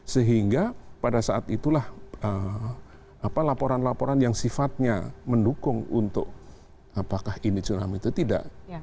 sehingga pada saat itulah laporan laporan yang sifatnya mendukung untuk apakah ini tsunami itu tidak